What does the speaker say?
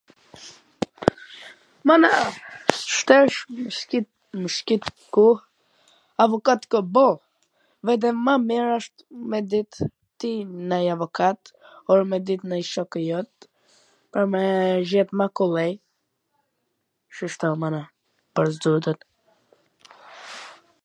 mana, tash shqip, shqip, m kwt koh avokat ka boll, vetwm ma mir asht me dit ti nanj avokat or me dit ndonj shoku jot pwr me gjet ma kollaj, qish ta mana, pwr zotin.